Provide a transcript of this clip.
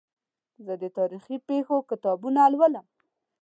زه د تاریخي پېښو کتابونه لولم.